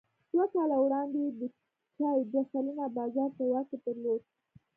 دوه کاله وړاندې یې د چای دوه سلنه بازار په واک کې درلود.